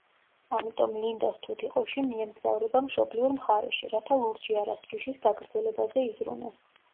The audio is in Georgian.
ამიტომ ლინდას თუთიყუში მიემგზავრება მშობლიურ მხარეში, რათა ლურჯი არას ჯიშის გაგრძელებაზე იზრუნოს.